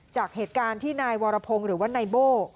จากเหตุการณ์ที่นายวรพงศ์หรือว่านายโบ้